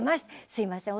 「すいません。